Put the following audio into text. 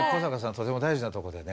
とても大事なとこでね。